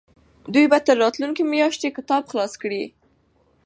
دوی به تر راتلونکې میاشتې کتاب خلاص کړي.